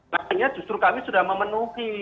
makanya justru kami sudah memenuhi